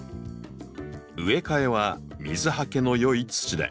植え替えは水はけの良い土で。